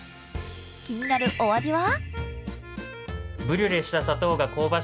気になるお味は？